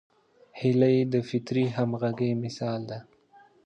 هیلۍ د فطري همغږۍ مثال ده